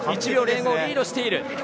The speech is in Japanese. １秒０５リードしている。